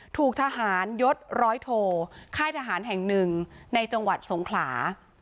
ถูกทหารยศร้อยโทค่ายทหารแห่งหนึ่งในจังหวัดสงขลา